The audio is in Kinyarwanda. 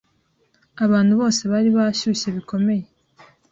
abantu bose bari bashyushye bikomeye